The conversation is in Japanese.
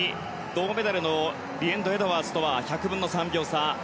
銅メダルのリエンド・エドワーズとは１００分の３秒差。